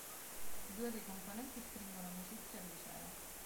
Due dei componenti stringono amicizia al liceo.